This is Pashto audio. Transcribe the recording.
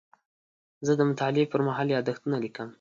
زه د مطالعې پر مهال یادښتونه لیکم.